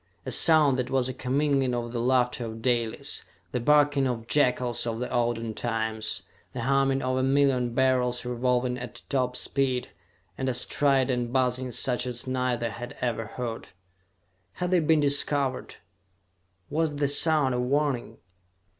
A sound that was a commingling of the laughter of Dalis, the barking of jackals of the olden times, the humming of a million Beryls revolving at top speed, and a strident buzzing such as neither had ever heard. Had they been discovered? Was the sound a warning?